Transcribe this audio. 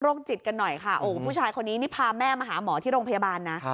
จิตกันหน่อยค่ะโอ้ผู้ชายคนนี้นี่พาแม่มาหาหมอที่โรงพยาบาลนะ